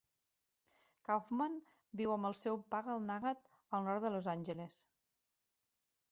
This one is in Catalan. Kaufman viu amb el seu puggle Nugget al nord de Los Angeles.